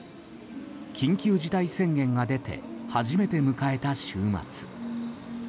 緊急事態宣言が出て初めて迎えた週末。